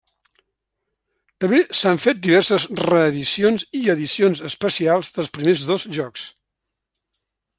També s'han fet diverses reedicions i edicions especials dels primers dos jocs.